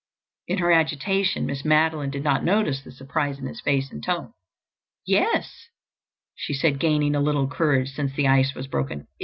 In her agitation Miss Madeline did not notice the surprise in his face and tone. "Yes," she said, gaining a little courage since the ice was broken.